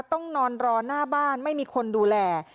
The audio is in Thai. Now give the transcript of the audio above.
ต้องนอนรอหน้าบ้านไม่มีคนดูแล